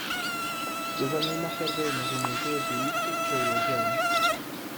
Dos años más tarde del nacimiento de su hijo, se divorciaron.